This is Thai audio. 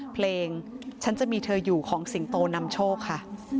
เพลงฉันจะมีเธออยู่ของสิงโตนำโชคค่ะ